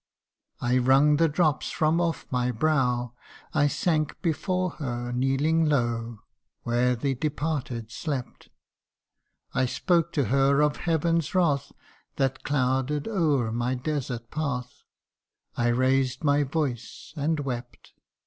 " I wrung the drops from off my brow ; I sank before her, kneeling low Where the departed slept. I spoke to her of heaven's wrath That clouded o'er my desert path, I raised my voice and wept